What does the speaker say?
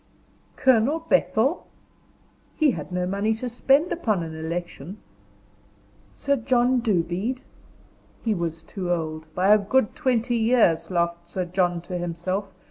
Colonel Bethel? He had no money to spend upon an election. Sir John Dobede? He was too old. "By a good twenty years," laughed Sir John, to himself.